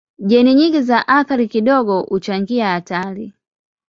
Jeni nyingi za athari kidogo huchangia hatari.